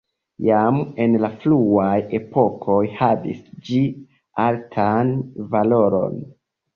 Jam en la fruaj epokoj havis ĝi altan valoron.